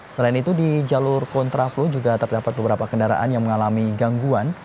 selain itu di jalur kontraflow juga terdapat beberapa kendaraan yang mengalami gangguan